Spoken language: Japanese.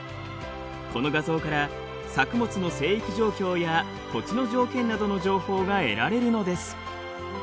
この画像から作物の生育状況や土地の条件などの情報が得られるのです。